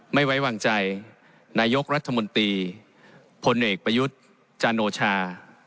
ไม่ไว้วางใจนายกรัฐมนตรีพลเอกประยุทธ์จันโอชา